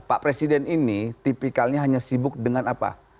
pak presiden ini tipikalnya hanya sibuk dengan apa